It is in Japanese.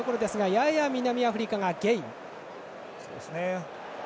やや南アフリカがゲイン。